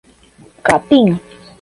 Capim